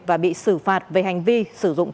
và bị xử phạt về hành vi sử dụng